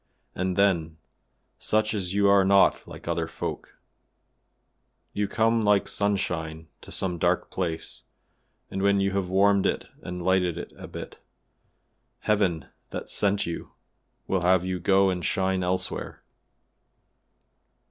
And then, such as you are not like other folk; you come like sunshine to some dark place, and when you have warmed it and lighted it a bit, Heaven, that sent you, will have you go and shine elsewhere.